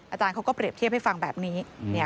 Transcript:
อาจารย์เขาก็เปรียบเทียบให้ฟังแบบนี้